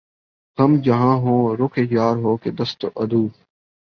غم جہاں ہو رخ یار ہو کہ دست عدو